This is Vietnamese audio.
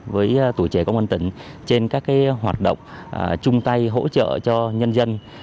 với tuổi trẻ công an tỉnh trên các hoạt động chung tay hỗ trợ cho nhân dân